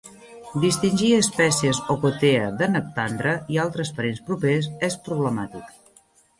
Distingir espècies "Ocotea" de "Nectandra" i altres parents propers és problemàtic.